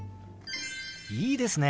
いいですね！